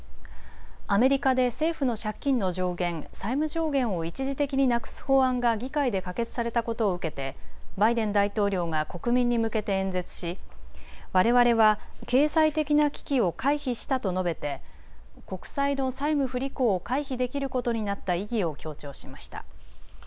アメリカで政府の借金の上限、債務上限を一時的になくす法案が議会で可決されたことを受けてバイデン大統領が国民に向けて演説しわれわれは経済的な危機を回避したと述べて国債の債務不履行を回避できることになった意義を強調しました。